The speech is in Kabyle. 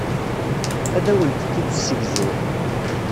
Ad awent-t-id-ssegzuɣ.